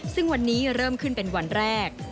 ซึ่งวันนี้เริ่มขึ้นเป็นวันแรก